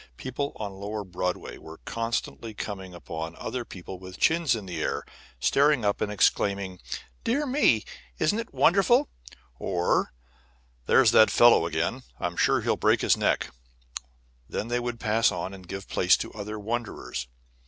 people on lower Broadway were constantly coming upon other people with chins in the air, staring up and exclaiming: "Dear me, isn't it wonderful!" or "There's that fellow again; I'm sure he'll break his neck!" Then they would pass on and give place to other wonderers.